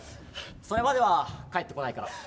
それまでは帰ってこないから。